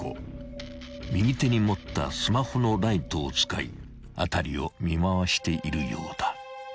［右手に持ったスマホのライトを使い辺りを見回しているようだ］